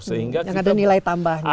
yang ada nilai tambahnya